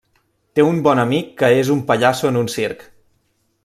Té un bon amic que és un pallasso en un circ.